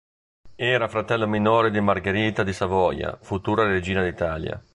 Era fratello minore di Margherita di Savoia, futura regina d'Italia.